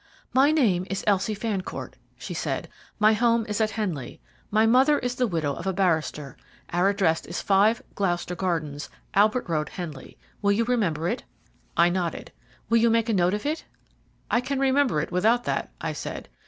"My name is Elsie Fancourt," she said. "My home is at Henley. My mother is the widow of a barrister. Our address is 5, Gloucester Gardens, Albert Road, Henley. Will you remember it?" I nodded. "Will you make a note of it?" "I can remember it without that," I said.